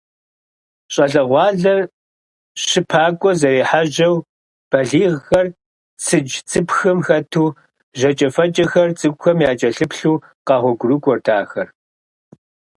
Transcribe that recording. ЩӀалэгъуалэр щыпакӀуэ зэрехьэжьэу, балигъхэр цыдж–цыпхым хэту, жыкӀэфэкӀэхэр цӀыкӀухэм якӀэлъыплъу къэгъуэгурыкӀуэрт ахэр.